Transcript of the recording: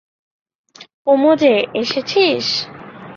কুমু যে, এসেছিস?